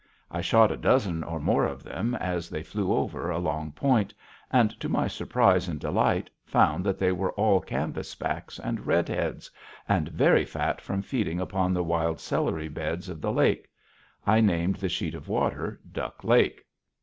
I shot a dozen or more of them as they flew over a long point, and to my surprise and delight found that they were all canvasbacks and redheads, and very fat from feeding upon the wild celery beds of the lake. I named the sheet of water Duck Lake.